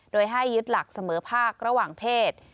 โดยให้ยึดหลักเสมอภาคระหว่างเพศ